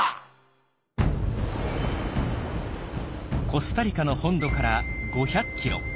コスタリカの本土から５００キロ。